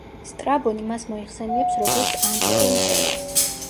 სტრაბონი მას მოიხსენიებს როგორც „ანტიკურ მწერალს“.